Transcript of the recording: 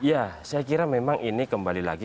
ya saya kira memang ini kembali lagi